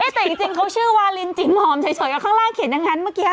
แต่จริงเขาชื่อวาลินจิ๋มหอมเฉยกับข้างล่างเขียนอย่างนั้นเมื่อกี้